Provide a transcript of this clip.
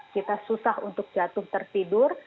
kita susah untuk jatuh tertidur